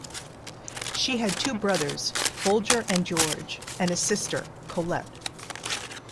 She had two brothers, Folger and George, and a sister, Collette.